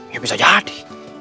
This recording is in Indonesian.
ya bisa jadi